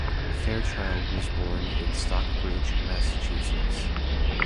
Fairchild was born in Stockbridge, Massachusetts.